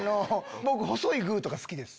僕「細いグー」とか好きです。